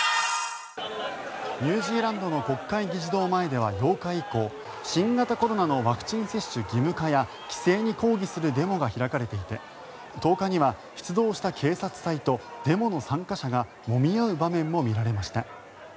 ニュージーランドの国会議事堂前では８日以降新型コロナのワクチン接種義務化や規制に抗議するデモが開かれていて１０日には出動した警察隊とデモの参加者がもみ合う場面も見られました。